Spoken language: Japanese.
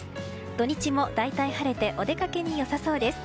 土日も大体晴れてお出かけに良さそうです。